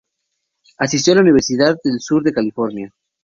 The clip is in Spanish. Asistió a la Universidad del Sur de California.